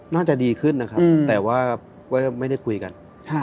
น่าจะดีขึ้นนะครับแต่ว่าไม่ได้คุยกัน